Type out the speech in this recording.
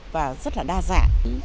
và rất là đa dạng